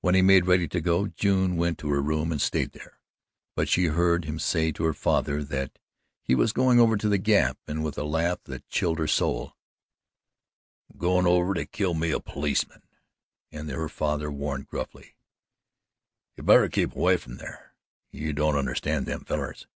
When he made ready to go, June went to her room and stayed there, but she heard him say to her father that he was going over to the Gap, and with a laugh that chilled her soul: "I'm goin' over to kill me a policeman." And her father warned gruffly: "You better keep away from thar. You don't understand them fellers."